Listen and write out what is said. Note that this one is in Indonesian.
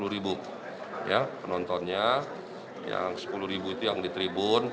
rp lima puluh penontonnya yang rp sepuluh itu yang di tribun